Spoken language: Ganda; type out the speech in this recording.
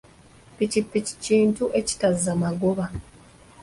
Ppikipiki kintu ekitazza magoba.